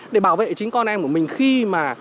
để bảo vệ chính con em của mình khi mà